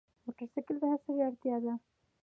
موټرسایکل د هر سړي اړتیا ده.